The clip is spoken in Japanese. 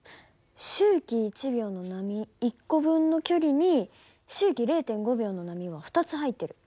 周期１秒の波１個分の距離に周期０．５秒の波が２つ入ってる。